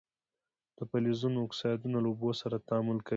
د فلزونو اکسایدونه له اوبو سره تعامل کوي.